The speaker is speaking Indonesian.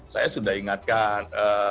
saya sudah ingatkan